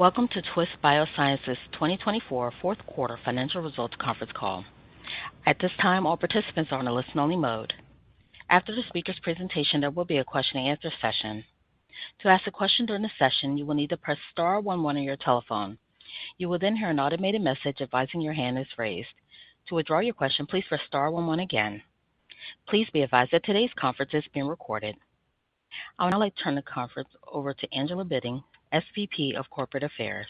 Welcome to Twist Bioscience's 2024 Fourth Quarter Financial Results Conference Call. At this time, all participants are in a listen-only mode. After the speaker's presentation, there will be a question-and-answer session. To ask a question during the session, you will need to press star one one on your telephone. You will then hear an automated message advising your hand is raised. To withdraw your question, please press star one one again. Please be advised that today's conference is being recorded. I would now like to turn the conference over to Angela Bitting, SVP of Corporate Affairs.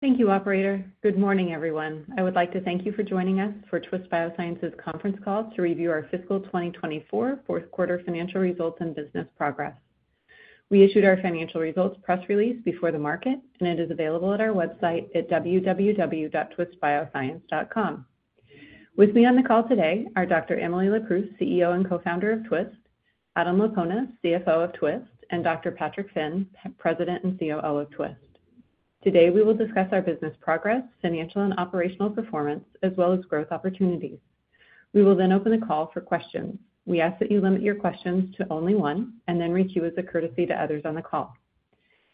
Thank you, Operator. Good morning, everyone. I would like to thank you for joining us for Twist Bioscience's conference call to review our fiscal 2024 Fourth Quarter financial results and business progress. We issued our financial results press release before the market, and it is available at our website at www.twistbioscience.com. With me on the call today are Dr. Emily Leproust, CEO and co-founder of Twist; Adam Laponis, CFO of Twist; and Dr. Patrick Finn, President and COO of Twist. Today, we will discuss our business progress, financial and operational performance, as well as growth opportunities. We will then open the call for questions. We ask that you limit your questions to only one and then reach you as a courtesy to others on the call.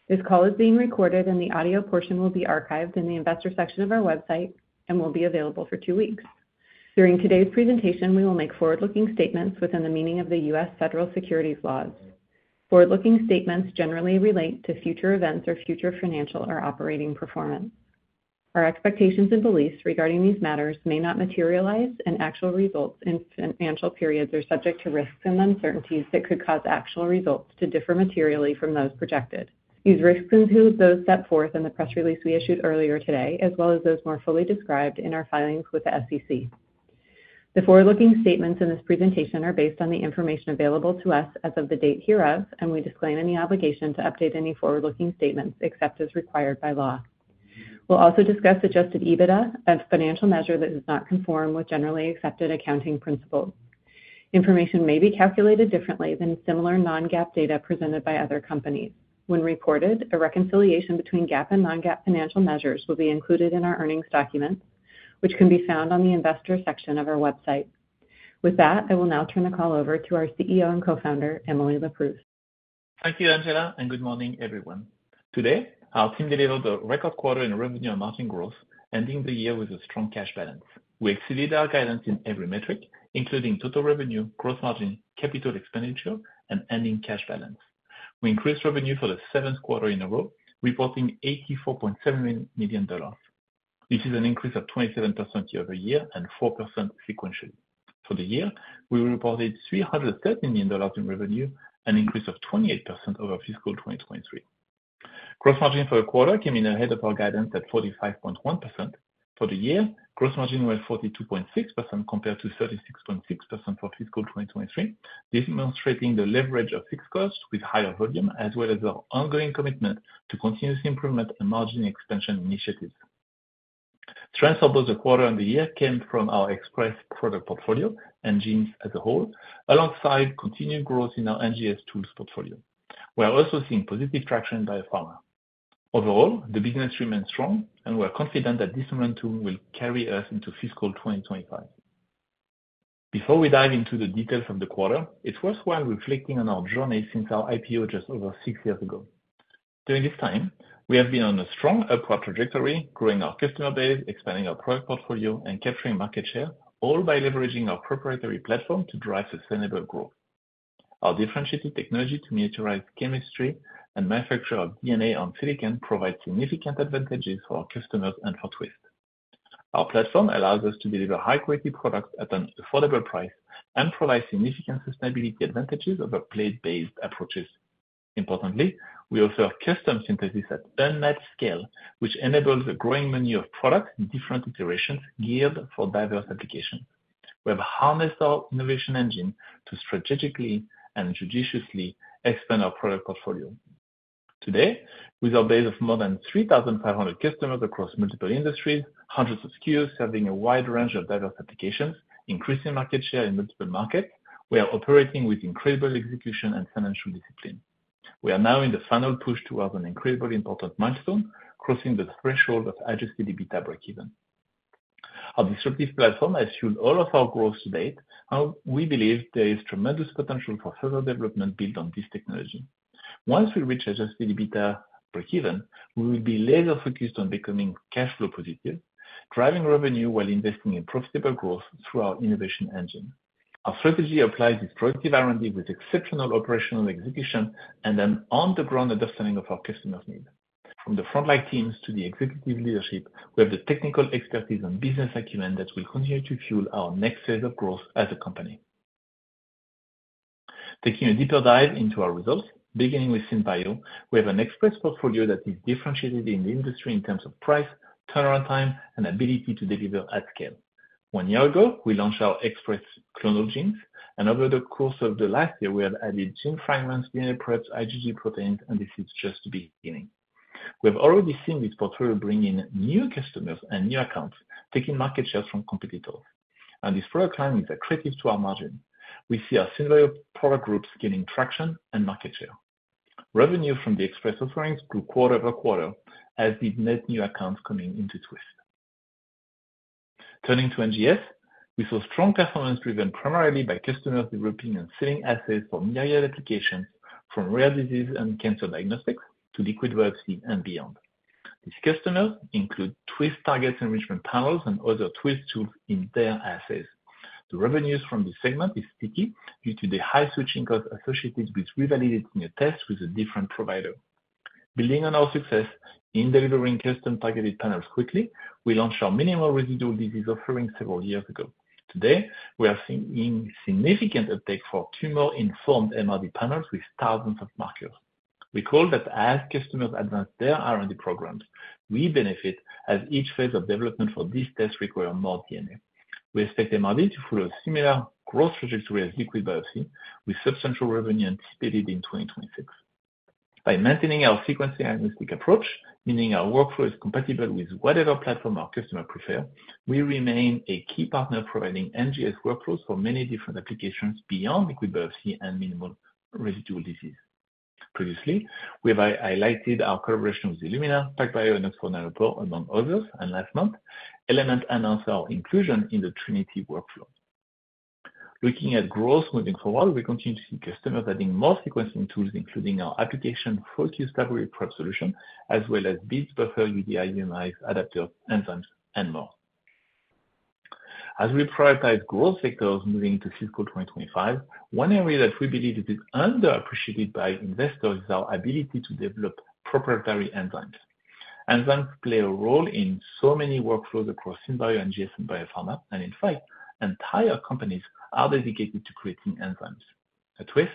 This call is being recorded, and the audio portion will be archived in the investor section of our website and will be available for two weeks. During today's presentation, we will make forward-looking statements within the meaning of the U.S. federal securities laws. Forward-looking statements generally relate to future events or future financial or operating performance. Our expectations and beliefs regarding these matters may not materialize, and actual results in financial periods are subject to risks and uncertainties that could cause actual results to differ materially from those projected. These risks include those set forth in the press release we issued earlier today, as well as those more fully described in our filings with the SEC. The forward-looking statements in this presentation are based on the information available to us as of the date hereof, and we disclaim any obligation to update any forward-looking statements except as required by law. We'll also discuss Adjusted EBITDA as a financial measure that does not conform with generally accepted accounting principles. Information may be calculated differently than similar non-GAAP data presented by other companies. When reported, a reconciliation between GAAP and non-GAAP financial measures will be included in our earnings documents, which can be found on the investor section of our website. With that, I will now turn the call over to our CEO and co-founder, Emily Leproust. Thank you, Angela, and good morning, everyone. Today, our team delivered a record quarter in revenue and margin growth, ending the year with a strong cash balance. We exceeded our guidance in every metric, including total revenue, gross margin, capital expenditure, and ending cash balance. We increased revenue for the seventh quarter in a row, reporting $84.7 million. This is an increase of 27% year over year and 4% sequentially. For the year, we reported $330 million in revenue, an increase of 28% over fiscal 2023. Gross margin for the quarter came in ahead of our guidance at 45.1%. For the year, gross margin was 42.6% compared to 36.6% for fiscal 2023, demonstrating the leverage of fixed costs with higher volume, as well as our ongoing commitment to continuous improvement and margin expansion initiatives. Strengths over the quarter and the year came from our Express product portfolio and genes as a whole, alongside continued growth in our NGS tools portfolio. We are also seeing positive traction in biopharma. Overall, the business remains strong, and we are confident that this momentum will carry us into fiscal 2025. Before we dive into the details of the quarter, it's worthwhile reflecting on our journey since our IPO just over six years ago. During this time, we have been on a strong upward trajectory, growing our customer base, expanding our product portfolio, and capturing market share, all by leveraging our proprietary platform to drive sustainable growth. Our differentiated technology to miniaturize chemistry and manufacture of DNA on silicon provides significant advantages for our customers and for Twist. Our platform allows us to deliver high-quality products at an affordable price and provides significant sustainability advantages over plate-based approaches. Importantly, we offer custom synthesis at unmatched scale, which enables a growing menu of products in different iterations geared for diverse applications. We have harnessed our innovation engine to strategically and judiciously expand our product portfolio. Today, with our base of more than 3,500 customers across multiple industries, hundreds of SKUs serving a wide range of diverse applications, increasing market share in multiple markets, we are operating with incredible execution and financial discipline. We are now in the final push towards an incredibly important milestone, crossing the threshold of Adjusted EBITDA breakeven. Our disruptive platform has fueled all of our growth to date, and we believe there is tremendous potential for further development built on this technology. Once we reach Adjusted EBITDA breakeven, we will be laser-focused on becoming cash flow positive, driving revenue while investing in profitable growth through our innovation engine. Our strategy applies this proactive R&D with exceptional operational execution and an on-the-ground understanding of our customers' needs. From the frontline teams to the executive leadership, we have the technical expertise and business acumen that will continue to fuel our next phase of growth as a company. Taking a deeper dive into our results, beginning with SynBio, we have an Express Portfolio that is differentiated in the industry in terms of price, turnaround time, and ability to deliver at scale. One year ago, we launched our Express Clonal Genes, and over the course of the last year, we have added Gene Fragments, DNA preps, IgG proteins, and this is just the beginning. We have already seen this portfolio bring in new customers and new accounts, taking market shares from competitors. And this product line is attractive to our margin. We see our SynBio product groups gaining traction and market share. Revenue from the express offerings grew quarter by quarter, as did net new accounts coming into Twist. Turning to NGS, we saw strong performance driven primarily by customers developing and selling assets for myriad applications, from rare disease and cancer diagnostics to liquid biopsy and beyond. These customers include Twist Target Enrichment Panels and other Twist tools in their assets. The revenues from this segment are sticky due to the high switching costs associated with revalidating a test with a different provider. Building on our success in delivering custom targeted panels quickly, we launched our minimal residual disease offering several years ago. Today, we are seeing significant uptake for tumor-informed MRD panels with thousands of markers. We see that as customers advance their R&D programs. We benefit as each phase of development for this test requires more DNA. We expect MRD to follow a similar growth trajectory as liquid biopsy, with substantial revenue anticipated in 2026. By maintaining our sequencing agnostic approach, meaning our workflow is compatible with whatever platform our customers prefer, we remain a key partner providing NGS workflows for many different applications beyond liquid biopsy and minimal residual disease. Previously, we have highlighted our collaboration with Illumina, PacBio, and Oxford Nanopore, among others, and last month, Element announced our inclusion in the Trinity workflow. Looking at growth moving forward, we continue to see customers adding more sequencing tools, including our application focused library prep solution, as well as beads, buffer, UDI, UMIs, adapters, enzymes, and more. As we prioritize growth sectors moving into fiscal 2025, one area that we believe is underappreciated by investors is our ability to develop proprietary enzymes. Enzymes play a role in so many workflows across SynBio and NGS Biopharma, and in fact, entire companies are dedicated to creating enzymes. At Twist,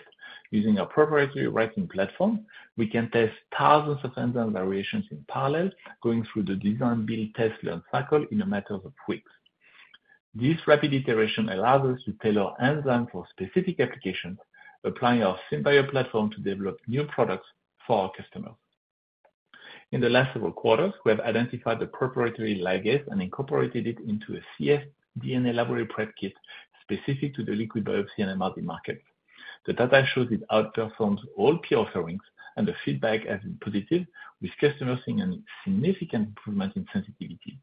using our proprietary writing platform, we can test thousands of enzyme variations in parallel, going through the design, build, test, learn cycle in a matter of weeks. This rapid iteration allows us to tailor enzymes for specific applications, applying our SynBio platform to develop new products for our customers. In the last several quarters, we have identified the proprietary ligase and incorporated it into a cfDNA library prep kit specific to the liquid biopsy and MRD market. The data shows it outperforms all peer offerings, and the feedback has been positive, with customers seeing a significant improvement in sensitivity.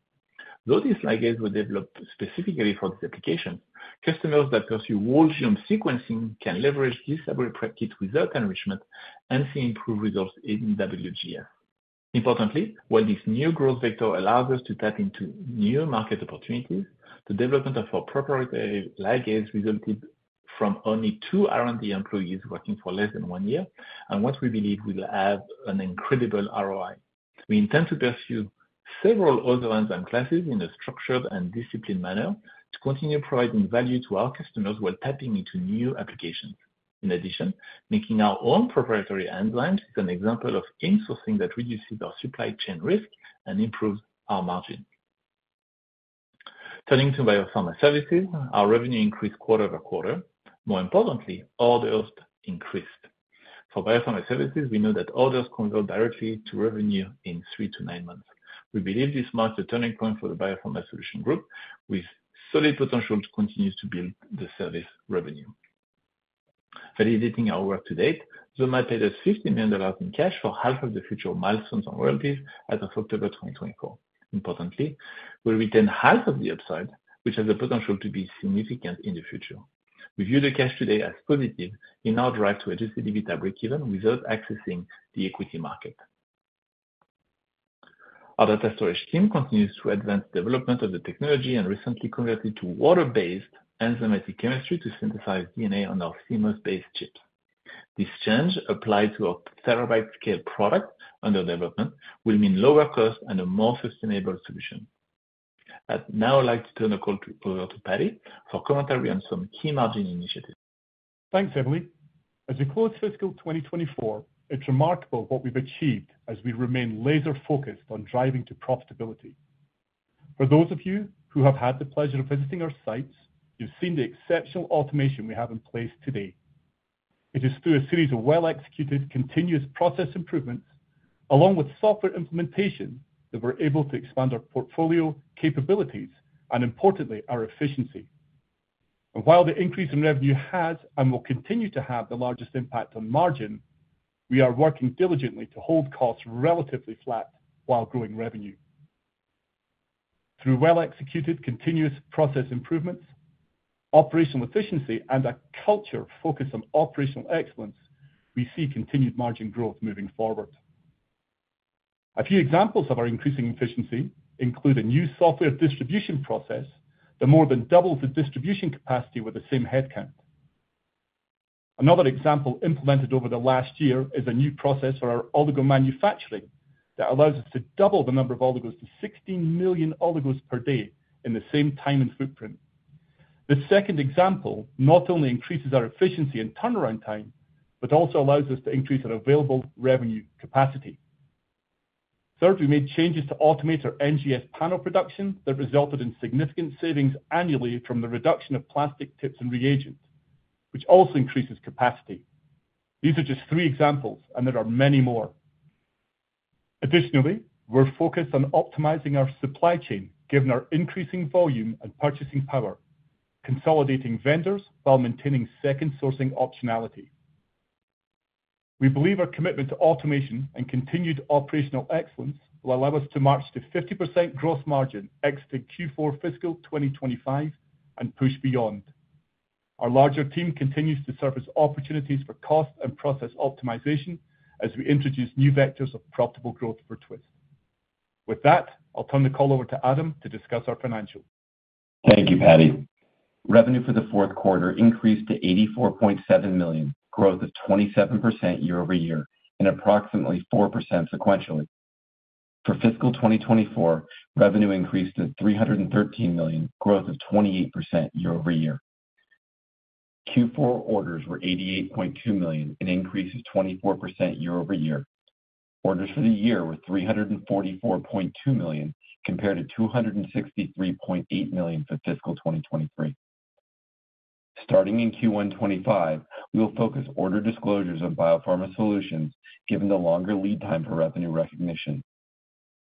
Though these ligases were developed specifically for these applications, customers that pursue whole genome sequencing can leverage this library prep kit without enrichment and see improved results in WGS. Importantly, while this new growth vector allows us to tap into new market opportunities, the development of our proprietary ligase resulted from only two R&D employees working for less than one year, and what we believe will have an incredible ROI. We intend to pursue several other enzyme classes in a structured and disciplined manner to continue providing value to our customers while tapping into new applications. In addition, making our own proprietary enzymes is an example of in-sourcing that reduces our supply chain risk and improves our margin. Turning to biopharma services, our revenue increased quarter by quarter. More importantly, orders increased. For biopharma services, we know that orders convert directly to revenue in three to nine months. We believe this marks a turning point for the Biopharma Solutions group, with solid potential to continue to build the service revenue. Validating our work to date, XOMA had paid us $50 million in cash for half of the future milestones on royalties as of October 2024. Importantly, we retained half of the upside, which has the potential to be significant in the future. We view the cash today as positive in our drive to adjust the EBITDA breakeven without accessing the equity market. Our data storage team continues to advance the development of the technology and recently converted to water-based enzymatic chemistry to synthesize DNA on our CMOS-based chips. This change applied to our terabyte-scale product under development will mean lower costs and a more sustainable solution. I'd now like to turn the call over to Patty for commentary on some key margin initiatives. Thanks, Emily. As we close fiscal 2024, it's remarkable what we've achieved as we remain laser-focused on driving to profitability. For those of you who have had the pleasure of visiting our sites, you've seen the exceptional automation we have in place today. It is through a series of well-executed continuous process improvements, along with software implementation, that we're able to expand our portfolio capabilities and, importantly, our efficiency. And while the increase in revenue has and will continue to have the largest impact on margin, we are working diligently to hold costs relatively flat while growing revenue. Through well-executed continuous process improvements, operational efficiency, and a culture focused on operational excellence, we see continued margin growth moving forward. A few examples of our increasing efficiency include a new software distribution process that more than doubles the distribution capacity with the same headcount. Another example implemented over the last year is a new process for our oligo manufacturing that allows us to double the number of oligos to 16 million oligos per day in the same time and footprint. The second example not only increases our efficiency and turnaround time, but also allows us to increase our available revenue capacity. Third, we made changes to automate our NGS panel production that resulted in significant savings annually from the reduction of plastic tips and reagents, which also increases capacity. These are just three examples, and there are many more. Additionally, we're focused on optimizing our supply chain, given our increasing volume and purchasing power, consolidating vendors while maintaining second sourcing optionality. We believe our commitment to automation and continued operational excellence will allow us to march to 50% gross margin exiting Q4 fiscal 2025 and push beyond. Our larger team continues to surface opportunities for cost and process optimization as we introduce new vectors of profitable growth for Twist. With that, I'll turn the call over to Adam to discuss our financials. Thank you, Patty. Revenue for the fourth quarter increased to $84.7 million, growth of 27% year over year, and approximately 4% sequentially. For fiscal 2024, revenue increased to $313 million, growth of 28% year-over-year. Q4 orders were $88.2 million, an increase of 24% year-over-year. Orders for the year were $344.2 million, compared to $263.8 million for fiscal 2023. Starting in Q1 2025, we will focus order disclosures on biopharma solutions, given the longer lead time for revenue recognition.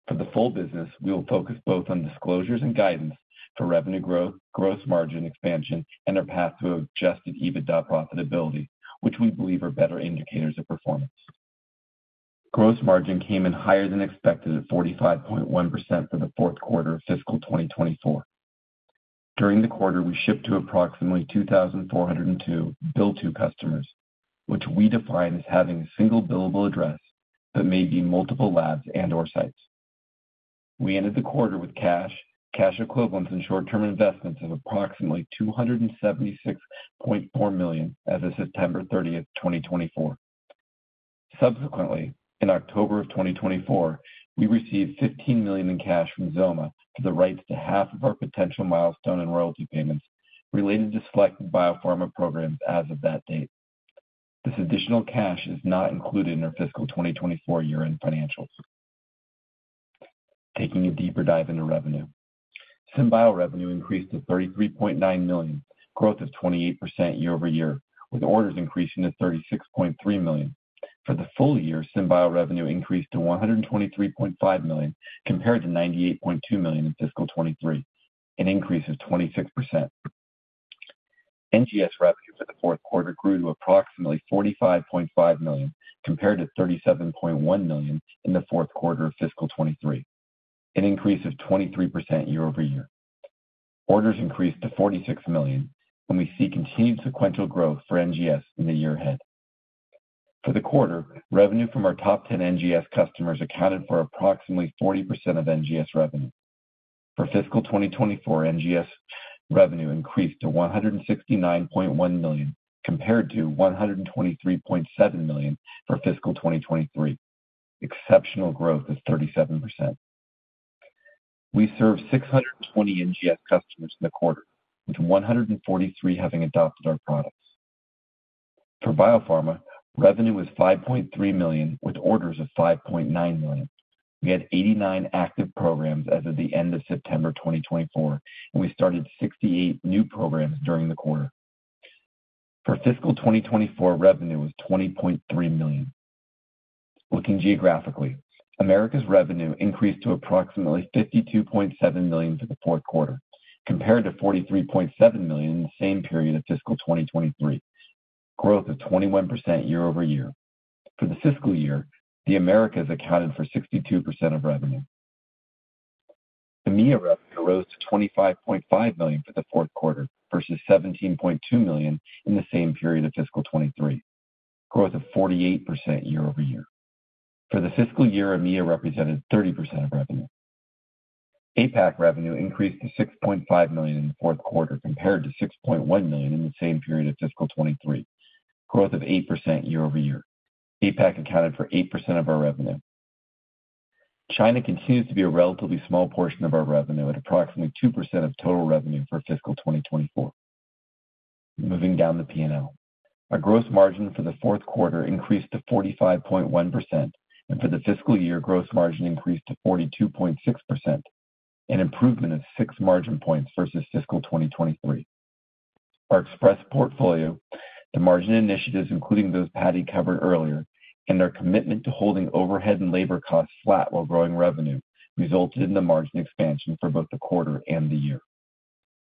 For the full business, we will focus both on disclosures and guidance for revenue growth, gross margin expansion, and our path to Adjusted EBITDA profitability, which we believe are better indicators of performance. Gross margin came in higher than expected at 45.1% for the fourth quarter of fiscal 2024. During the quarter, we shipped to approximately 2,402 bill-to customers, which we define as having a single billable address that may be multiple labs and/or sites. We ended the quarter with cash, cash equivalents, and short-term investments of approximately $276.4 million as of September 30th, 2024. Subsequently, in October of 2024, we received $15 million in cash from XOMA for the rights to half of our potential milestone and royalty payments related to selected biopharma programs as of that date. This additional cash is not included in our fiscal 2024 year-end financials. Taking a deeper dive into revenue, SynBio revenue increased to $33.9 million, growth of 28% year-over-year, with orders increasing to $36.3 million. For the full year, SynBio revenue increased to $123.5 million, compared to $98.2 million in fiscal 2023, an increase of 26%. NGS revenue for the fourth quarter grew to approximately $45.5 million, compared to $37.1 million in the fourth quarter of fiscal 2023, an increase of 23% year over year. Orders increased to $46 million, and we see continued sequential growth for NGS in the year ahead. For the quarter, revenue from our top 10 NGS customers accounted for approximately 40% of NGS revenue. For fiscal 2024, NGS revenue increased to $169.1 million, compared to $123.7 million for fiscal 2023. Exceptional growth is 37%. We served 620 NGS customers in the quarter, with 143 having adopted our products. For biopharma, revenue was $5.3 million, with orders of $5.9 million. We had 89 active programs as of the end of September 2024, and we started 68 new programs during the quarter. For fiscal 2024, revenue was $20.3 million. Looking geographically, Americas' revenue increased to approximately $52.7 million for the fourth quarter, compared to $43.7 million in the same period of fiscal 2023, growth of 21% year over year. For the fiscal year, the Americas accounted for 62% of revenue. EMEA revenue rose to $25.5 million for the fourth quarter, versus $17.2 million in the same period of fiscal 2023, growth of 48% year over year. For the fiscal year, EMEA represented 30% of revenue. APAC revenue increased to $6.5 million in the fourth quarter, compared to $6.1 million in the same period of fiscal 2023, growth of 8% year over year. APAC accounted for 8% of our revenue. China continues to be a relatively small portion of our revenue at approximately 2% of total revenue for fiscal 2024. Moving down the P&L, our gross margin for the fourth quarter increased to 45.1%, and for the fiscal year, gross margin increased to 42.6%, an improvement of 6 margin points versus fiscal 2023. Our Express Portfolio, the margin initiatives, including those Patty covered earlier, and our commitment to holding overhead and labor costs flat while growing revenue resulted in the margin expansion for both the quarter and the year.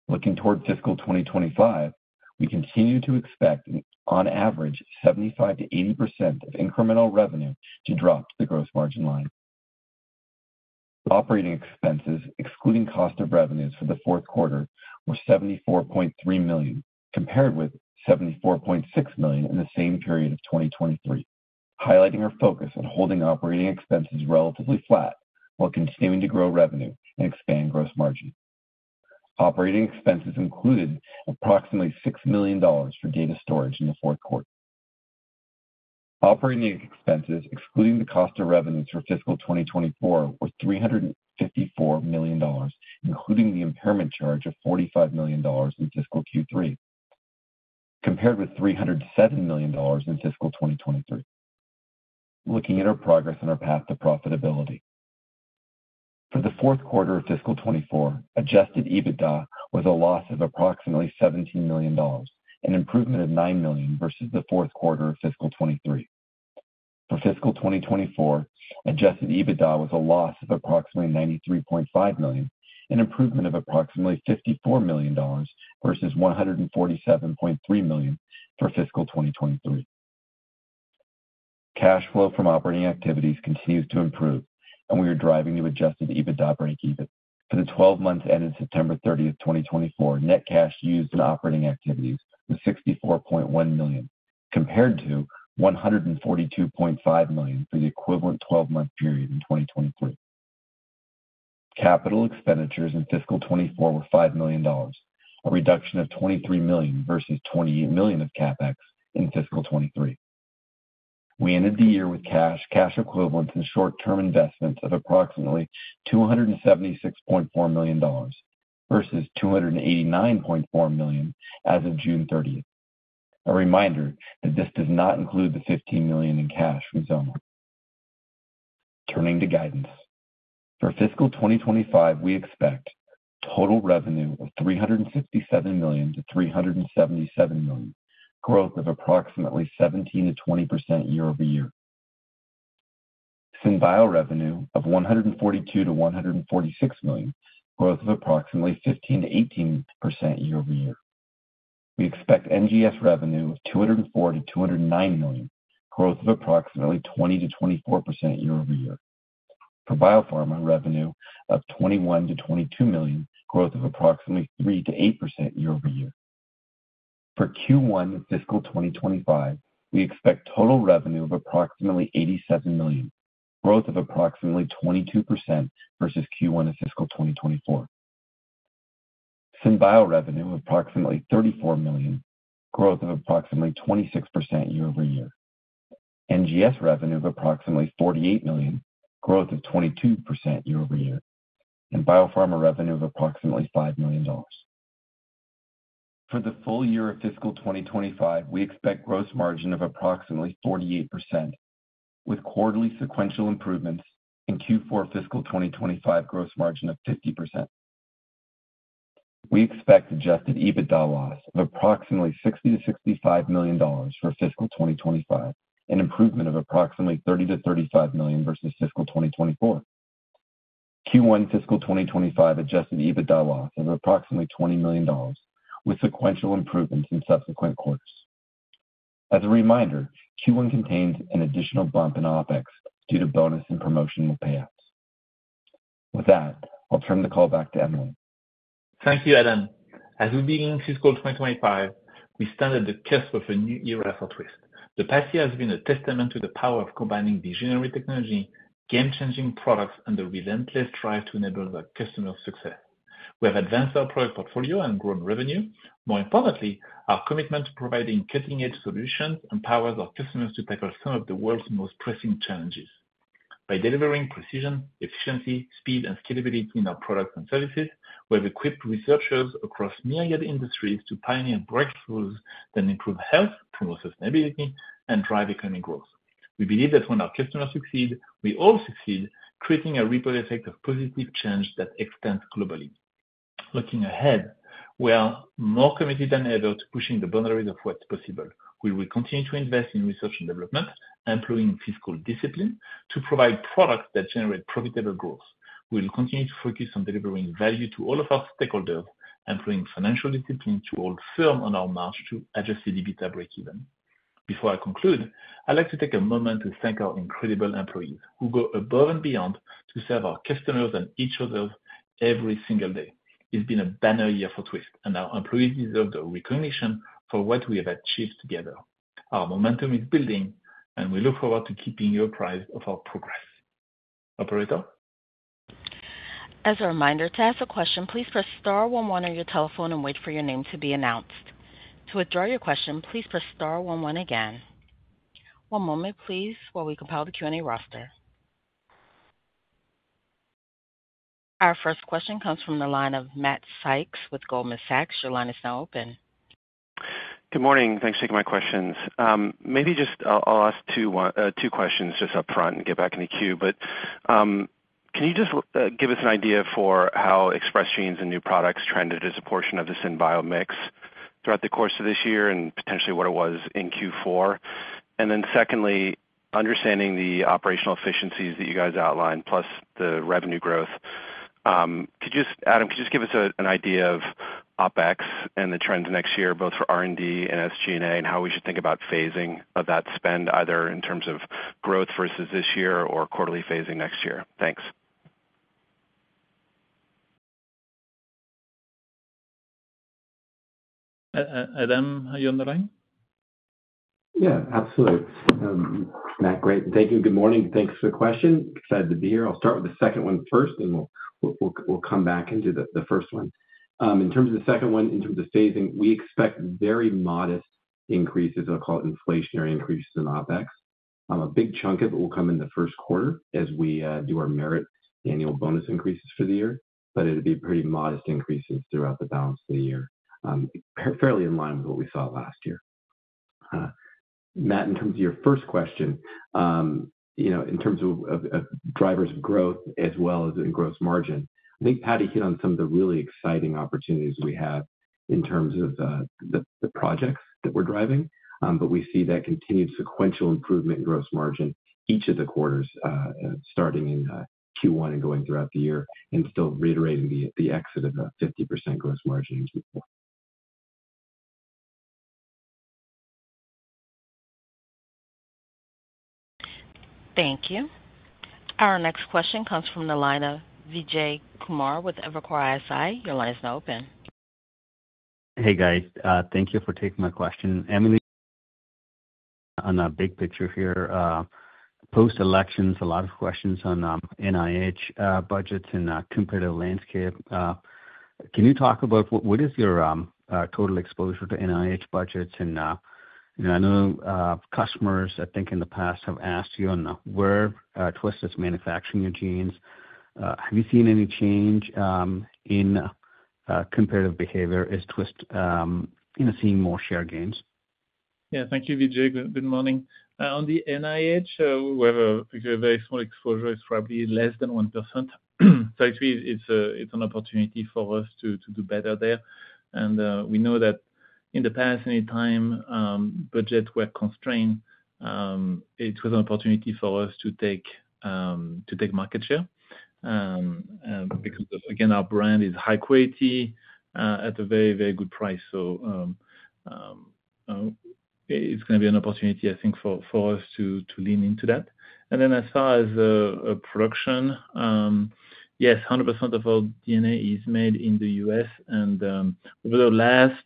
Looking toward fiscal 2025, we continue to expect, on average, 75%-80% of incremental revenue to drop to the gross margin line. Operating expenses, excluding cost of revenues for the fourth quarter, were $74.3 million, compared with $74.6 million in the same period of 2023, highlighting our focus on holding operating expenses relatively flat while continuing to grow revenue and expand gross margin. Operating expenses included approximately $6 million for data storage in the fourth quarter. Operating expenses, excluding the cost of revenues for fiscal 2024, were $354 million, including the impairment charge of $45 million in fiscal Q3, compared with $307 million in fiscal 2023. Looking at our progress on our path to profitability, for the fourth quarter of fiscal 2024, adjusted EBITDA was a loss of approximately $17 million, an improvement of $9 million versus the fourth quarter of fiscal 2023. For fiscal 2024, adjusted EBITDA was a loss of approximately $93.5 million, an improvement of approximately $54 million versus $147.3 million for fiscal 2023. Cash flow from operating activities continues to improve, and we are driving to adjusted EBITDA breakeven. For the 12 months ended September 30th, 2024, net cash used in operating activities was $64.1 million, compared to $142.5 million for the equivalent 12-month period in 2023. Capital expenditures in fiscal 2024 were $5 million, a reduction of $23 million versus $28 million of CapEx in fiscal 2023. We ended the year with cash, cash equivalents, and short-term investments of approximately $276.4 million versus $289.4 million as of June 30. A reminder that this does not include the $15 million in cash from XOMA. Turning to guidance, for fiscal 2025, we expect total revenue of $367 million-$377 million, growth of approximately 17%-20% year-over-year. SynBio revenue of $142 million-$146 million, growth of approximately 15%-18% year-over-year. We expect NGS revenue of $204 million-$209 million, growth of approximately 20%-24% year-over-year. For biopharma revenue of $21 million-$22 million, growth of approximately 3%-8% year-over-year. For Q1 of fiscal 2025, we expect total revenue of approximately $87 million, growth of approximately 22% versus Q1 of fiscal 2024. SynBio revenue of approximately $34 million, growth of approximately 26% year-over-year. NGS revenue of approximately $48 million, growth of 22% year-over-year, and biopharma revenue of approximately $5 million. For the full year of fiscal 2025, we expect gross margin of approximately 48%, with quarterly sequential improvements in Q4 fiscal 2025, gross margin of 50%. We expect adjusted EBITDA loss of approximately $60 million-$65 million for fiscal 2025, an improvement of approximately $30 million-$35 million versus fiscal 2024. Q1 fiscal 2025 adjusted EBITDA loss of approximately $20 million, with sequential improvements in subsequent quarters. As a reminder, Q1 contains an additional bump in OpEx due to bonus and promotional payouts. With that, I'll turn the call back to Emily. Thank you, Adam. As we begin fiscal 2025, we stand at the cusp of a new era for Twist. The past year has been a testament to the power of combining visionary technology, game-changing products, and the relentless drive to enable our customers' success. We have advanced our product portfolio and grown revenue. More importantly, our commitment to providing cutting-edge solutions empowers our customers to tackle some of the world's most pressing challenges. By delivering precision, efficiency, speed, and scalability in our products and services, we have equipped researchers across myriad industries to pioneer breakthroughs that improve health, promote sustainability, and drive economic growth. We believe that when our customers succeed, we all succeed, creating a ripple effect of positive change that extends globally. Looking ahead, we are more committed than ever to pushing the boundaries of what's possible. We will continue to invest in research and development, employing fiscal discipline to provide products that generate profitable growth. We will continue to focus on delivering value to all of our stakeholders, employing financial discipline to hold firm on our march to Adjusted EBITDA breakeven. Before I conclude, I'd like to take a moment to thank our incredible employees who go above and beyond to serve our customers and each other every single day. It's been a banner year for Twist, and our employees deserve the recognition for what we have achieved together. Our momentum is building, and we look forward to keeping you apprised of our progress. Operator. As a reminder to ask a question, please press star one one on your telephone and wait for your name to be announced. To withdraw your question, please press star one one again. One moment, please, while we compile the Q&A roster. Our first question comes from the line of Matt Sykes with Goldman Sachs. Your line is now open. Good morning. Thanks for taking my questions. Maybe just I'll ask two questions just upfront and get back in the queue. But can you just give us an idea for how Express Genes and new products trended as a portion of the SynBio mix throughout the course of this year and potentially what it was in Q4? And then secondly, understanding the operational efficiencies that you guys outlined, plus the revenue growth. Adam, could you just give us an idea of OpEx and the trends next year, both for R&D and SG&A, and how we should think about phasing of that spend, either in terms of growth versus this year or quarterly phasing next year? Thanks. Adam, are you on the line? Yeah, absolutely. Matt, great. Thank you. Good morning. Thanks for the question. Excited to be here. I'll start with the second one first, and we'll come back into the first one. In terms of the second one, in terms of phasing, we expect very modest increases. I'll call it inflationary increases in OpEx. A big chunk of it will come in the first quarter as we do our merit annual bonus increases for the year, but it'll be pretty modest increases throughout the balance of the year, fairly in line with what we saw last year. Matt, in terms of your first question, in terms of drivers of growth as well as in gross margin, I think Patty hit on some of the really exciting opportunities we have in terms of the projects that we're driving. But we see that continued sequential improvement in gross margin each of the quarters, starting in Q1 and going throughout the year, and still reiterating the exit of a 50% gross margin in Q4. Thank you. Our next question comes from the line of Vijay Kumar with Evercore ISI. Your line is now open. Hey, guys. Thank you for taking my question. Emily, on a big picture here, post-elections, a lot of questions on NIH budgets and competitive landscape. Can you talk about what is your total exposure to NIH budgets? And I know customers, I think, in the past have asked you on where Twist is manufacturing your genes. Have you seen any change in competitive behavior as Twist is seeing more share gains? Yeah, thank you, Vijay. Good morning. On the NIH, we have a very small exposure. It's probably less than 1%. So it's an opportunity for us to do better there. And we know that in the past, anytime budgets were constrained, it was an opportunity for us to take market share because, again, our brand is high quality at a very, very good price. So it's going to be an opportunity, I think, for us to lean into that. And then as far as production, yes, 100% of our DNA is made in the U.S. And over the last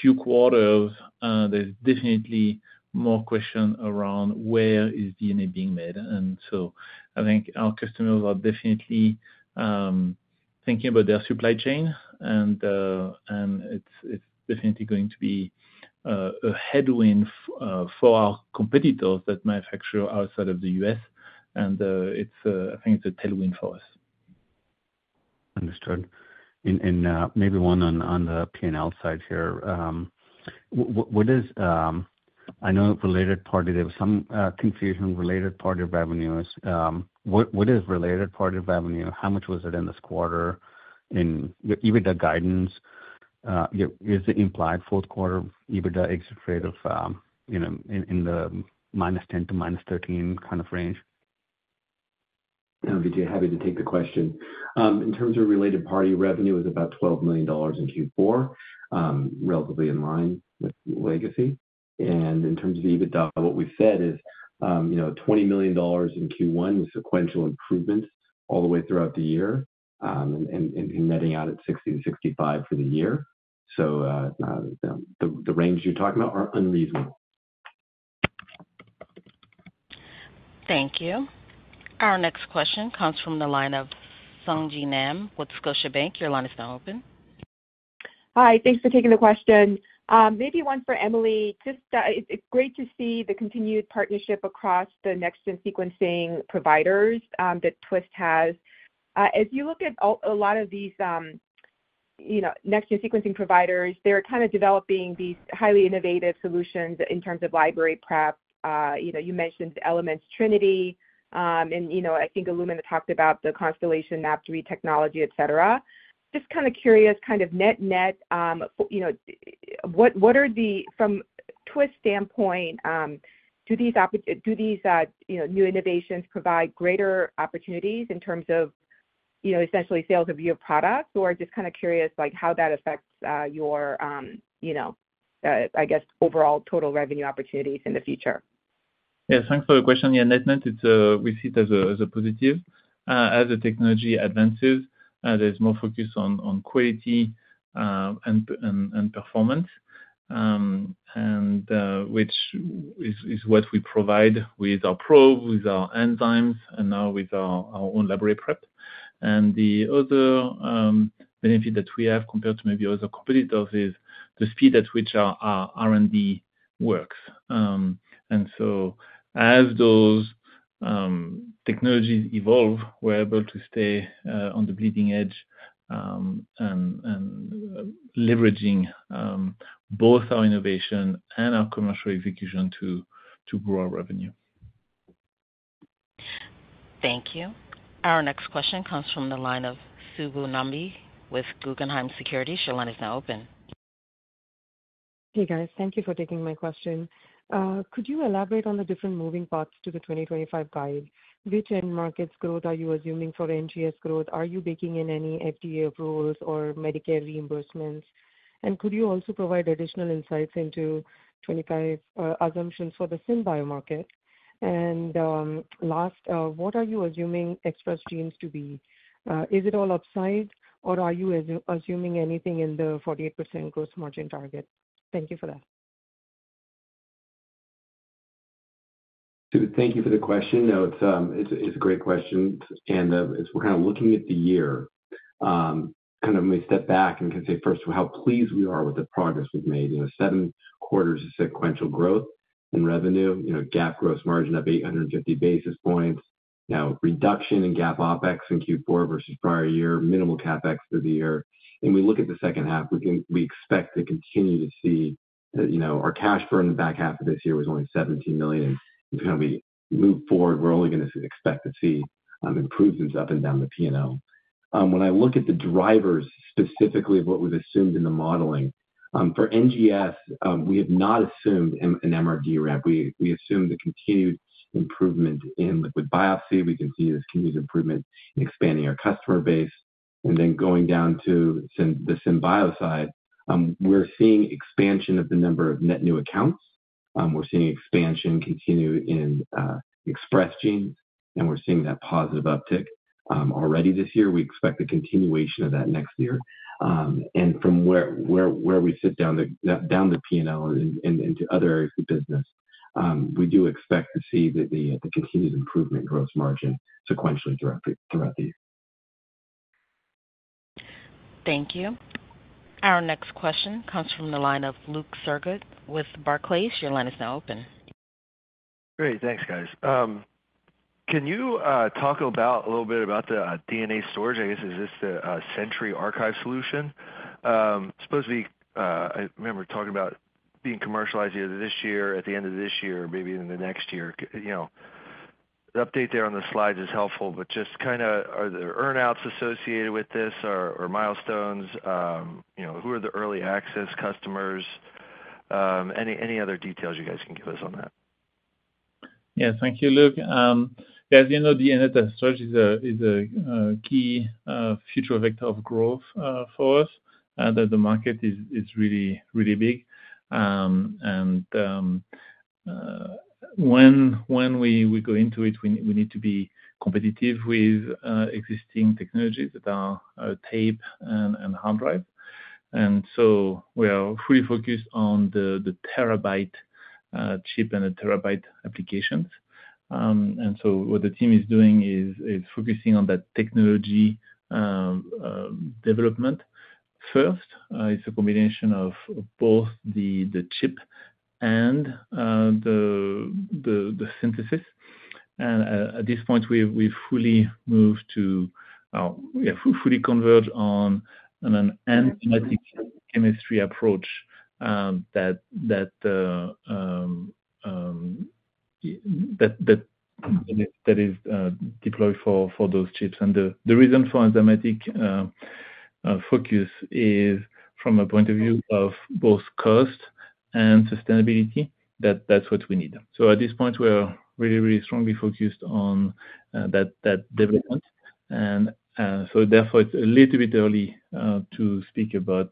few quarters, there's definitely more questions around where is DNA being made. And so I think our customers are definitely thinking about their supply chain, and it's definitely going to be a headwind for our competitors that manufacture outside of the U.S. And I think it's a tailwind for us. Understood. And maybe one on the P&L side here. I know related party, there was some confusion related party revenues. What is related party revenue? How much was it in this quarter in EBITDA guidance? Is the implied fourth quarter EBITDA exit rate in the minus 10 to minus 13 kind of range? Vijay, happy to take the question. In terms of related party revenue, it was about $12 million in Q4, relatively in line with legacy, and in terms of EBITDA, what we've said is $20 million in Q1 with sequential improvements all the way throughout the year and netting out at 60 to 65 for the year, so the range you're talking about are unreasonable. Thank you. Our next question comes from the line of Sung Ji Nam with Scotiabank. Your line is now open. Hi. Thanks for taking the question. Maybe one for Emily. It's great to see the continued partnership across the next-gen sequencing providers that Twist has. As you look at a lot of these next-gen sequencing providers, they're kind of developing these highly innovative solutions in terms of library prep. You mentioned Element's Trinity, and I think Illumina talked about the [Constellation Map Tree] technology, et cetera Just kind of curious, kind of net net, what are the, from Twist standpoint, do these new innovations provide greater opportunities in terms of essentially sales of your products, or just kind of curious how that affects your, I guess, overall total revenue opportunities in the future? Yeah, thanks for the question. Yeah, net net, we see it as a positive. As the technology advances, there's more focus on quality and performance, which is what we provide with our probes, with our enzymes, and now with our own library prep. And the other benefit that we have compared to maybe other competitors is the speed at which our R&D works. And so as those technologies evolve, we're able to stay on the bleeding edge and leveraging both our innovation and our commercial execution to grow our revenue. Thank you. Our next question comes from the line of Subbu Nambi with Guggenheim Securities. Your line is now open. Hey, guys. Thank you for taking my question. Could you elaborate on the different moving parts to the 2025 guide? Which end markets' growth are you assuming for NGS growth? Are you baking in any FDA approvals or Medicare reimbursements? And could you also provide additional insights into 2025 assumptions for the SynBio market? And last, what are you assuming Express Genes to be? Is it all upside, or are you assuming anything in the 48% gross margin target? Thank you for that. Thank you for the question. It's a great question. We're kind of looking at the year. Kind of when we step back and can say first how pleased we are with the progress we've made. Seven quarters of sequential growth in revenue, GAAP gross margin expansion of 850 basis points, now reduction in GAAP OpEx in Q4 versus prior year, minimal CapEx through the year. We're looking at the second half. We expect to continue to see our cash burn. In the back half of this year, it was only $17 million. It's going to be moved forward. We're only going to expect to see improvements up and down the P&L. When I look at the drivers specifically of what we've assumed in the modeling, for NGS, we have not assumed an MRD ramp. We assume the continued improvement in liquid biopsy. We can see this continued improvement in expanding our customer base. And then going down to the SynBio side, we're seeing expansion of the number of net new accounts. We're seeing expansion continue in Express Genes, and we're seeing that positive uptick already this year. We expect the continuation of that next year. And from where we sit down the P&L into other areas of business, we do expect to see the continued improvement in gross margin sequentially throughout the year. Thank you. Our next question comes from the line of Luke Sergott with Barclays. Your line is now open. Great. Thanks, guys. Can you talk a little bit about the DNA storage? I guess is this the Century Archive solution? I remember talking about being commercialized either this year, at the end of this year, or maybe in the next year. The update there on the slides is helpful, but just kind of are there earnouts associated with this or milestones? Who are the early access customers? Any other details you guys can give us on that? Yeah, thank you, Luke. As you know, DNA storage is a key future vector of growth for us. The market is really big, and when we go into it, we need to be competitive with existing technologies that are tape and hard drive, and so we are fully focused on the terabyte chip and the terabyte applications, and so what the team is doing is focusing on that technology development first. It's a combination of both the chip and the synthesis, and at this point, we've fully converged on an enzymatic chemistry approach that is deployed for those chips, and the reason for enzymatic focus is from a point of view of both cost and sustainability, that's what we need, so at this point, we're really, really strongly focused on that development. Therefore, it's a little bit early to speak about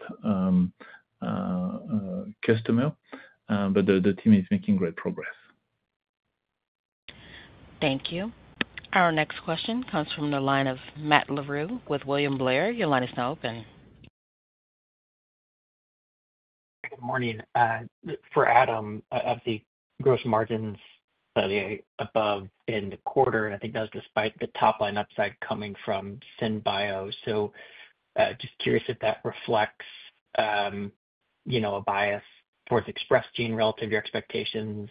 customer, but the team is making great progress. Thank you. Our next question comes from the line of Matt Larew with William Blair. Your line is now open. Good morning. For Adam, I have the gross margins slightly above end quarter. And I think that was despite the top line upside coming from SynBio. So just curious if that reflects a bias towards Express Genes relative to your expectations.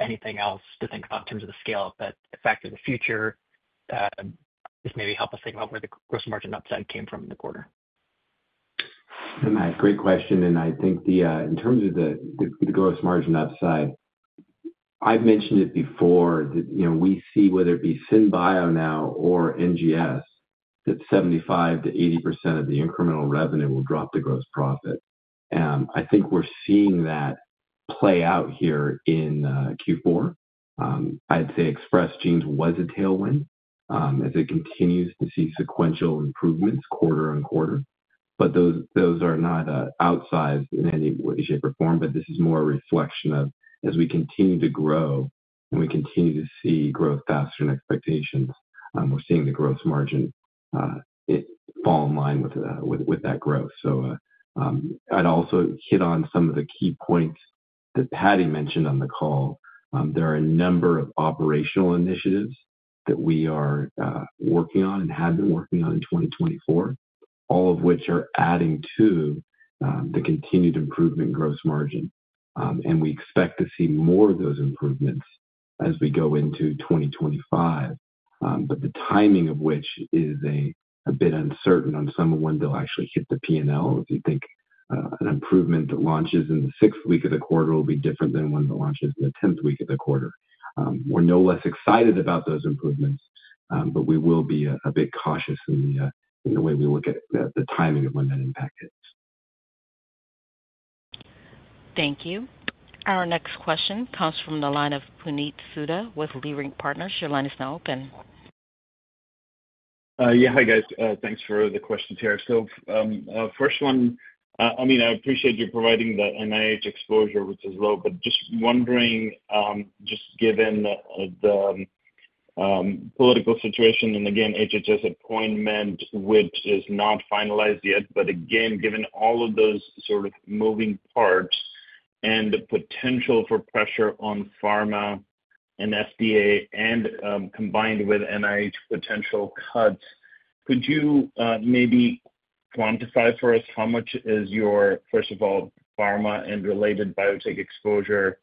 Anything else to think about in terms of the scale of that effect in the future? Just maybe help us think about where the gross margin upside came from in the quarter. Matt, great question, and I think in terms of the gross margin upside, I've mentioned it before that we see, whether it be SynBio now or NGS, that 75%-80% of the incremental revenue will drop the gross profit. I think we're seeing that play out here in Q4. I'd say Express Genes was a tailwind as it continues to see sequential improvements quarter on quarter. But those are not outsized in any way, shape, or form, but this is more a reflection of as we continue to grow and we continue to see growth faster than expectations, we're seeing the gross margin fall in line with that growth, so I'd also hit on some of the key points that Patty mentioned on the call. There are a number of operational initiatives that we are working on and have been working on in 2024, all of which are adding to the continued improvement in gross margin, and we expect to see more of those improvements as we go into 2025, but the timing of which is a bit uncertain on some of when they'll actually hit the P&L. If you think an improvement that launches in the sixth week of the quarter will be different than when it launches in the 10th week of the quarter, we're no less excited about those improvements, but we will be a bit cautious in the way we look at the timing of when that impact hits. Thank you. Our next question comes from the line of Puneet Souda with Leerink Partners. Your line is now open. Yeah, hi, guys. Thanks for the questions here. So first one, I mean, I appreciate you providing the NIH exposure, which is low, but just wondering, just given the political situation and again, HHS appointment, which is not finalized yet, but again, given all of those sort of moving parts and the potential for pressure on pharma and FDA and combined with NIH potential cuts, could you maybe quantify for us how much is your, first of all, pharma and related biotech exposure?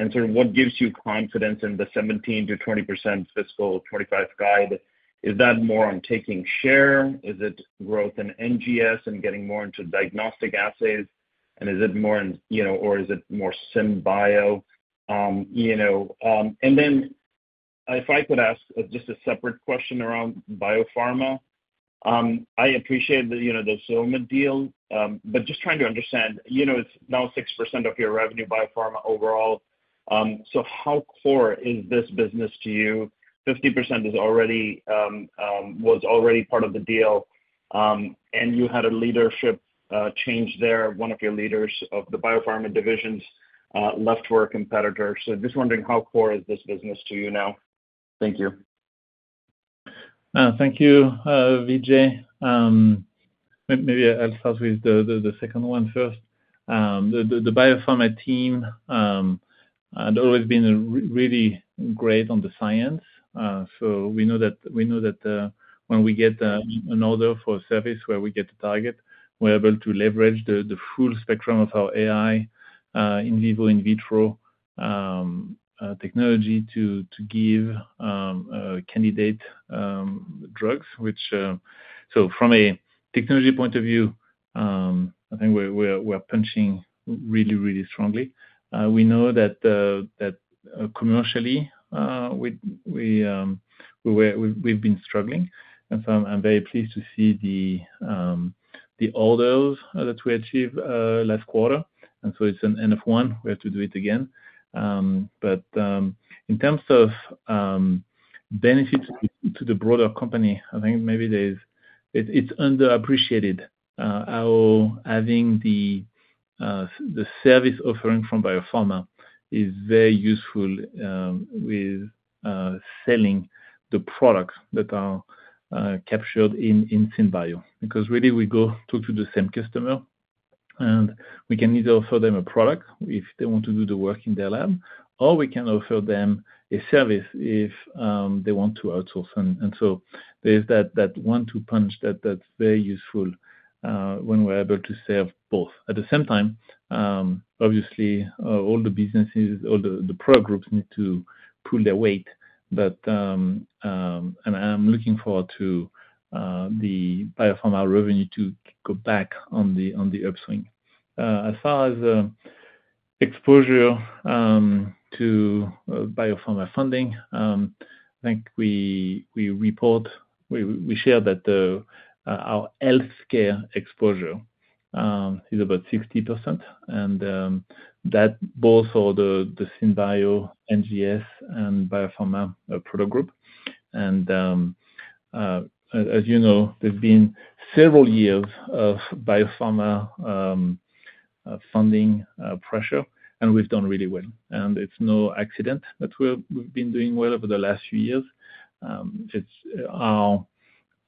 And sort of what gives you confidence in the 17%-20% fiscal 2025 guide? Is that more on taking share? Is it growth in NGS and getting more into diagnostic assays? And is it more in, or is it more SynBio? And then if I could ask just a separate question around Biopharma, I appreciate the XOMA deal, but just trying to understand, it's now 6% of your revenue, Biopharma overall. So how core is this business to you? 50% was already part of the deal, and you had a leadership change there. One of your leaders of the Biopharma divisions left for a competitor. So just wondering, how core is this business to you now? Thank you. Thank you, Vijay. Maybe I'll start with the second one first. The Biopharma team has always been really great on the science, so we know that when we get an order for a service where we get the target, we're able to leverage the full spectrum of our AI, in vivo, in vitro technology to give candidate drugs, so from a technology point of view, I think we're punching really, really strongly. We know that commercially we've been struggling, and so I'm very pleased to see the orders that we achieved last quarter, and so it's an end of one. We have to do it again, but in terms of benefits to the broader company, I think maybe it's underappreciated. Us having the service offering from biopharma is very useful with selling the products that are captured in SynBio because really we go talk to the same customer, and we can either offer them a product if they want to do the work in their lab, or we can offer them a service if they want to outsource. And so there's that one-two punch that's very useful when we're able to serve both. At the same time, obviously, all the businesses, all the product groups need to pull their weight. And I'm looking forward to the biopharma revenue to go back on the upswing. As far as exposure to biopharma funding, I think we report, we share that our healthcare exposure is about 60%. And that both for the SynBio, NGS, and biopharma product group. As you know, there's been several years of biopharma funding pressure, and we've done really well. It's no accident that we've been doing well over the last few years.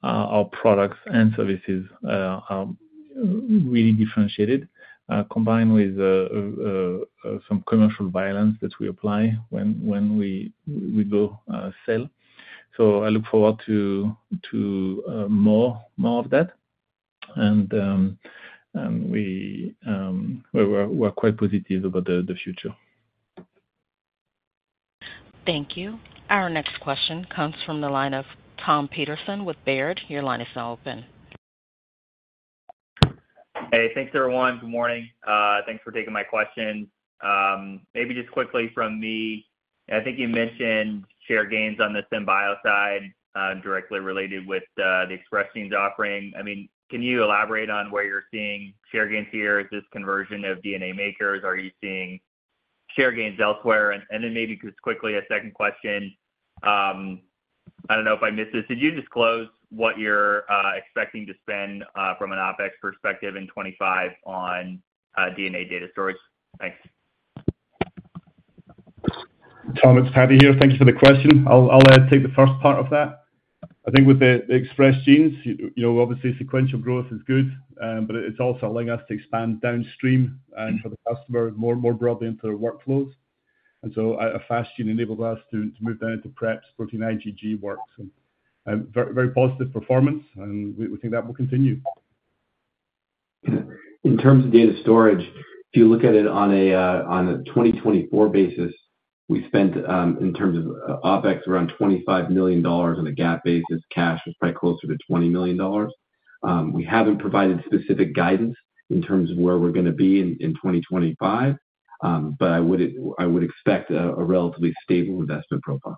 Our products and services are really differentiated, combined with some commercial diligence that we apply when we do sell. I look forward to more of that. We're quite positive about the future. Thank you. Our next question comes from the line of Tom Peterson with Baird. Your line is now open. Hey, thanks, everyone. Good morning. Thanks for taking my questions. Maybe just quickly from me, I think you mentioned share gains on the SynBio side directly related with the Express Genes offering. I mean, can you elaborate on where you're seeing share gains here? Is this conversion of DNA makers? Are you seeing share gains elsewhere? And then maybe just quickly a second question. I don't know if I missed this. Could you disclose what you're expecting to spend from an OpEx perspective in 2025 on DNA data storage? Thanks. Tom, it's Patty here. Thank you for the question. I'll take the first part of that. I think with the Express Genes, obviously, sequential growth is good, but it's also allowing us to expand downstream for the customer more broadly into their workflows, and so a fast chain enables us to move down to preps, protein IgG work, so very positive performance, and we think that will continue. In terms of data storage, if you look at it on a 2024 basis, we spent in terms of OpEx around $25 million on a GAAP basis. Cash was probably closer to $20 million. We haven't provided specific guidance in terms of where we're going to be in 2025, but I would expect a relatively stable investment profile.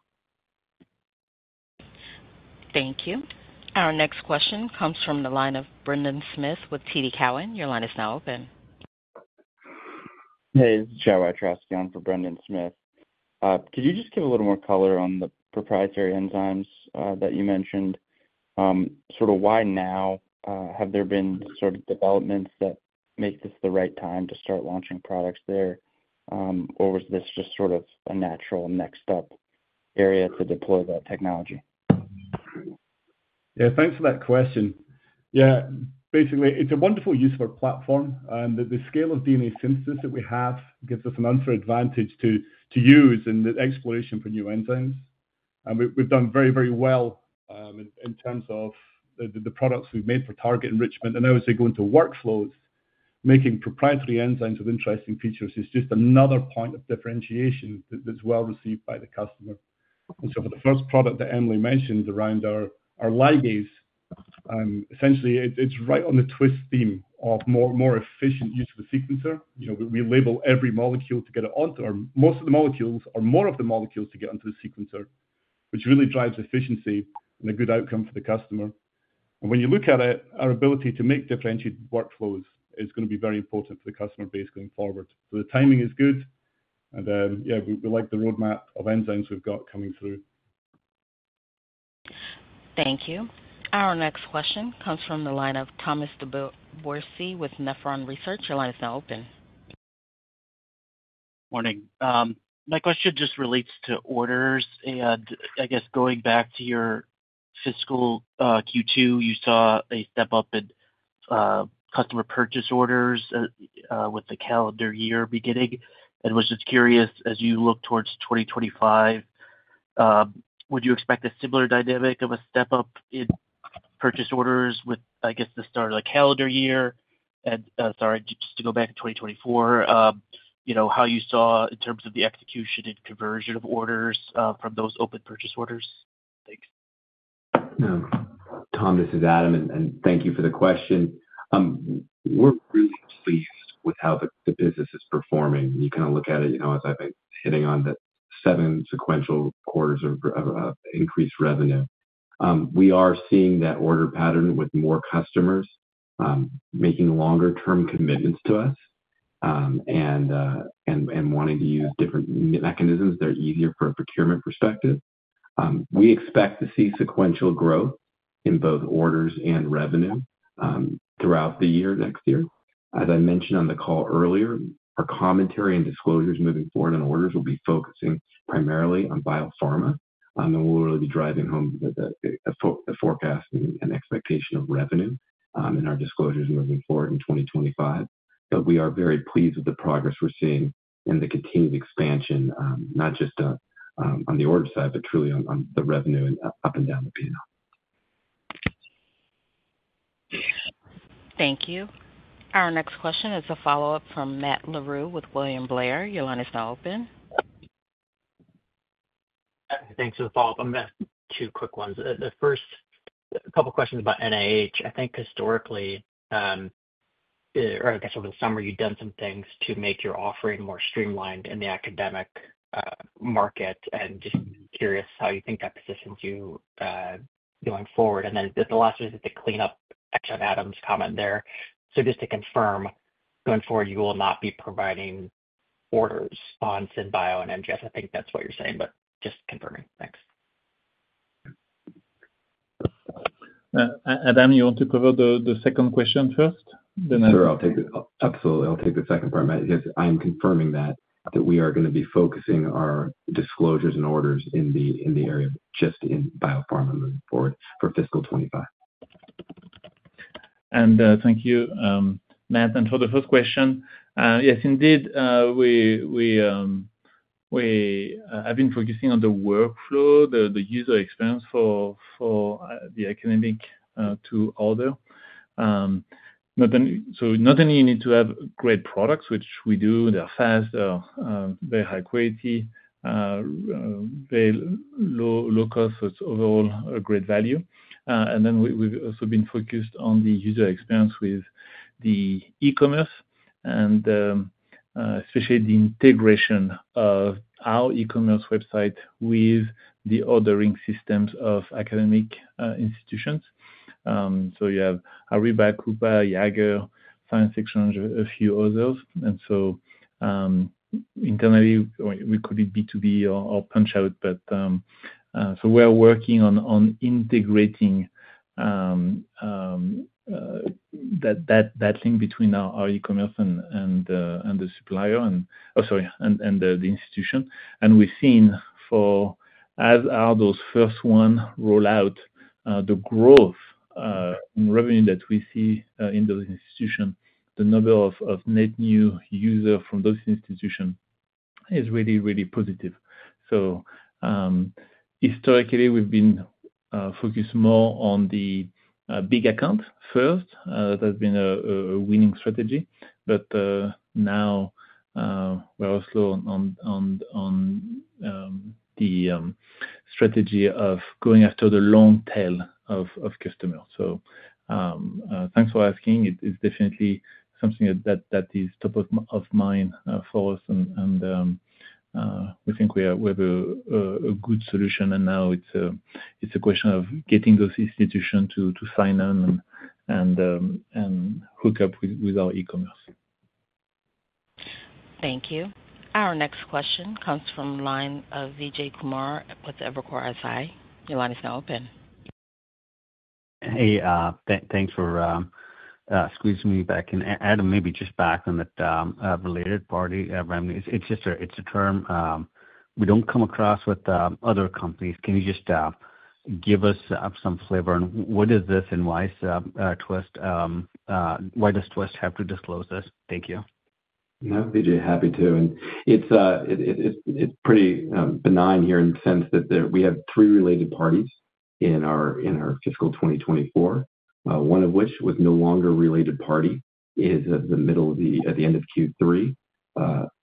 Thank you. Our next question comes from the line of Brendan Smith with TD Cowen. Your line is now open. Hey, this is Chad Wiatrowski. I'm for Brendan Smith. Could you just give a little more color on the proprietary enzymes that you mentioned? Sort of why now have there been sort of developments that make this the right time to start launching products there? Or was this just sort of a natural next step area to deploy that technology? Yeah, thanks for that question. Yeah, basically, it's a wonderful useful platform. The scale of DNA synthesis that we have gives us an unfair advantage to use in the exploration for new enzymes. And we've done very, very well in terms of the products we've made for target enrichment. And obviously, going to workflows, making proprietary enzymes with interesting features is just another point of differentiation that's well received by the customer. And so for the first product that Emily mentioned around our ligase, essentially, it's right on the Twist theme of more efficient use of the sequencer. We label every molecule to get it onto our most of the molecules or more of the molecules to get into the sequencer, which really drives efficiency and a good outcome for the customer. And when you look at it, our ability to make differentiated workflows is going to be very important for the customer base going forward. So the timing is good. And yeah, we like the roadmap of enzymes we've got coming through. Thank you. Our next question comes from the line of Thomas DeBourcy with Nephron Research. Your line is now open. Morning. My question just relates to orders. And I guess going back to your fiscal Q2, you saw a step up in customer purchase orders with the calendar year beginning. And was just curious, as you look towards 2025, would you expect a similar dynamic of a step up in purchase orders with, I guess, the start of the calendar year? And sorry, just to go back to 2024, how you saw in terms of the execution and conversion of orders from those open purchase orders? Thanks. Tom, this is Adam, and thank you for the question. We're really pleased with how the business is performing. You kind of look at it as I've been hitting on the seven sequential quarters of increased revenue. We are seeing that order pattern with more customers making longer-term commitments to us and wanting to use different mechanisms that are easier from a procurement perspective. We expect to see sequential growth in both orders and revenue throughout the year next year. As I mentioned on the call earlier, our commentary and disclosures moving forward on orders will be focusing primarily on biopharma, and we'll really be driving home the forecast and expectation of revenue in our disclosures moving forward in 2025. But we are very pleased with the progress we're seeing in the continued expansion, not just on the order side, but truly on the revenue and up and down the pillar. Thank you. Our next question is a follow-up from Matt Larew with William Blair. Your line is now open. Thanks for the follow-up. I'm going to ask two quick ones. The first couple of questions about NIH. I think historically, or I guess over the summer, you've done some things to make your offering more streamlined in the academic market. And just curious how you think that positions you going forward. And then the last one is just to clean up Adam's comment there. So just to confirm, going forward, you will not be providing orders on SynBio and NGS. I think that's what you're saying, but just confirming. Thanks. Adam, you want to cover the second question first? Sure. Absolutely. I'll take the second part. I'm confirming that we are going to be focusing our disclosures and orders in the area just in biopharma moving forward for fiscal 2025. Thank you, Matt. For the first question, yes, indeed, we have been focusing on the workflow, the user experience for the academic to order. So not only you need to have great products, which we do. They're fast, they're very high quality, very low cost, so it's overall a great value. We've also been focused on the user experience with the e-commerce and especially the integration of our e-commerce website with the ordering systems of academic institutions. You have Ariba, Coupa, Jaggaer, Science Exchange, a few others. Internally, we could be B2B or PunchOut. We're working on integrating that link between our e-commerce and the supplier and, sorry, and the institution. We've seen for as our those first one rollout, the growth in revenue that we see in those institutions, the number of net new users from those institutions is really, really positive. Historically, we've been focused more on the big account first. That has been a winning strategy. Now we're also on the strategy of going after the long tail of customers. Thanks for asking. It's definitely something that is top of mind for us. We think we have a good solution. Now it's a question of getting those institutions to sign on and hook up with our e-commerce. Thank you. Our next question comes from the line of Vijay Kumar with Evercore ISI. Your line is now open. Hey, thanks for squeezing me back in. Adam, maybe just back on that related party revenue. It's a term we don't come across with other companies. Can you just give us some flavor on what is this and why does Twist have to disclose this? Thank you. No, Vijay, happy to. And it's pretty benign here in the sense that we have three related parties in our fiscal 2024, one of which was no longer a related party as of the end of Q3.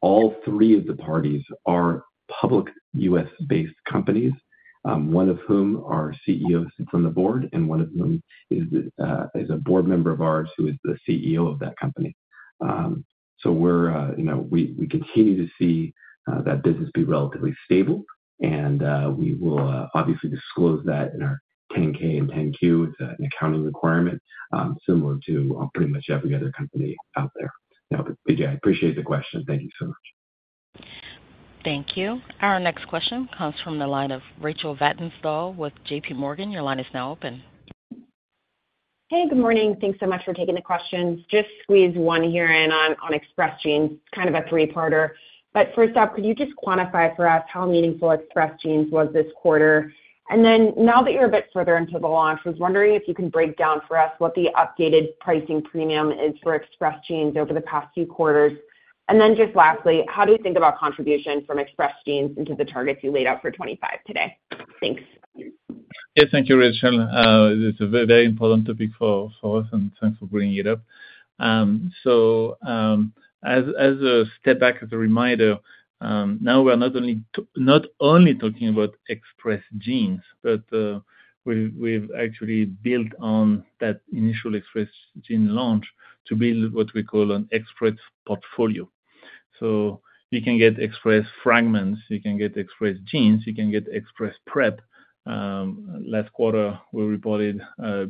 All three of the parties are public U.S.-based companies, one of whom our CEO sits on the board, and one of whom is a board member of ours who is the CEO of that company. So we continue to see that business be relatively stable. And we will obviously disclose that in our 10-K and 10-Q. It's an accounting requirement similar to pretty much every other company out there. Vijay, I appreciate the question. Thank you so much. Thank you. Our next question comes from the line of Rachel Vatnsdal with JPMorgan. Your line is now open. Hey, good morning. Thanks so much for taking the questions. Just squeeze one here in on Express Genes, kind of a three-parter. But first off, could you just quantify for us how meaningful Express Genes was this quarter? And then now that you're a bit further into the launch, I was wondering if you can break down for us what the updated pricing premium is for Express Genes over the past few quarters. And then just lastly, how do you think about contribution from Express Genes into the targets you laid out for 2025 today? Thanks. Yeah, thank you, Rachel. This is a very important topic for us, and thanks for bringing it up. So as a step back, as a reminder, now we're not only talking about Express Genes, but we've actually built on that initial Express Genes launch to build what we call an Express Portfolio. So you can get Express Fragments, you can get Express Genes, you can get Express Prep. Last quarter, we reported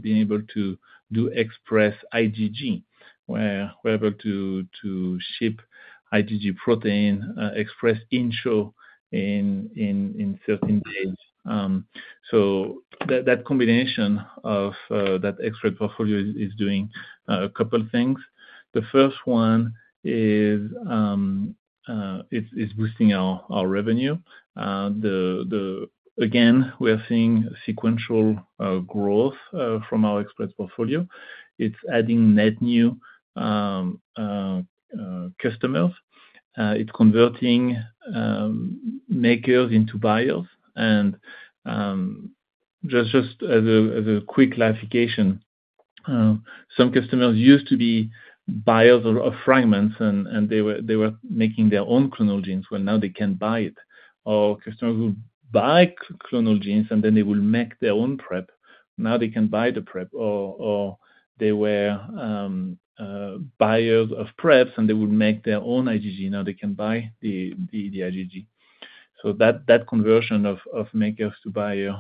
being able to do Express IgG, where we're able to ship IgG protein express in certain days. So that combination of that Express Portfolio is doing a couple of things. The first one is boosting our revenue. Again, we are seeing sequential growth from our Express Portfolio. It's adding net new customers. It's converting makers into buyers. And just as a quick clarification, some customers used to be buyers of fragments, and they were making their own clonal genes, where now they can buy it. Or customers will buy clonal genes, and then they will make their own prep. Now they can buy the prep. Or they were buyers of preps, and they will make their own IgG. Now they can buy the IgG. So that conversion of makers to buyers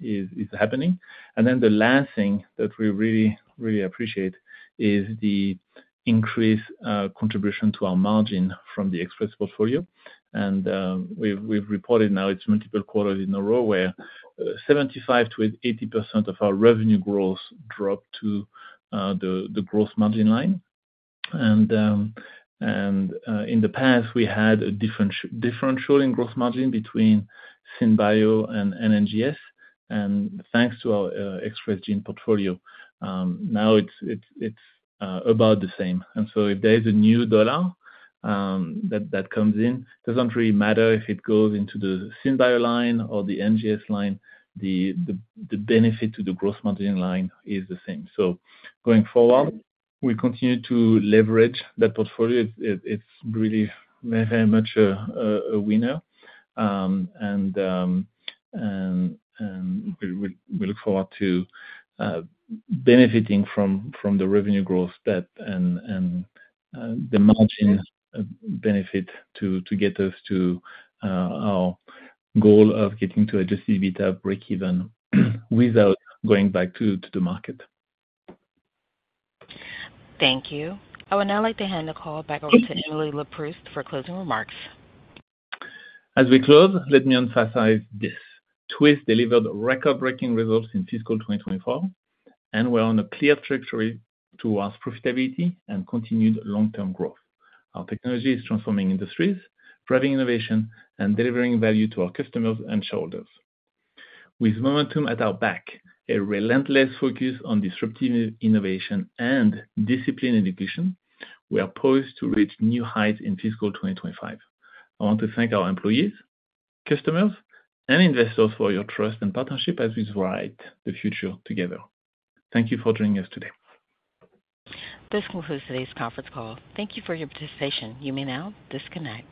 is happening. And then the last thing that we really, really appreciate is the increased contribution to our margin from the Express Portfolio. And we've reported now it's multiple quarters in a row where 75%-80% of our revenue growth dropped to the gross margin line. And in the past, we had a differential in gross margin between SynBio and NGS. And thanks to our Express Genes portfolio, now it's about the same. And so if there is a new dollar that comes in, it doesn't really matter if it goes into the SynBio line or the NGS line. The benefit to the gross margin line is the same. So going forward, we continue to leverage that portfolio. It's really very much a winner. And we look forward to benefiting from the revenue growth and the margin benefit to get us to our goal of getting to adjusted EBITDA break-even without going back to the market. Thank you. I would now like to hand the call back over to Emily Leproust for closing remarks. As we close, let me emphasize this. Twist delivered record-breaking results in fiscal 2024, and we're on a clear trajectory towards profitability and continued long-term growth. Our technology is transforming industries, driving innovation, and delivering value to our customers and shareholders. With momentum at our back, a relentless focus on disruptive innovation and disciplined execution, we are poised to reach new heights in fiscal 2025. I want to thank our employees, customers, and investors for your trust and partnership as we write the future together. Thank you for joining us today. This concludes today's conference call. Thank you for your participation. You may now disconnect.